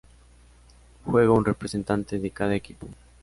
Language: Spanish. Juega un representante de cada equipo.